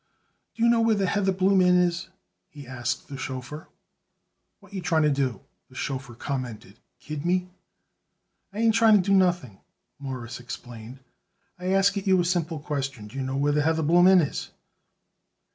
"Do you know where the Heatherbloom Inn is?" he asked the chauffeur. "What you tryin' to do?" the chauffeur commented. "Kid me?" "I ain't trying to do nothing," Morris explained. "I ask it you a simple question: Do you know where the Heatherbloom Inn is?"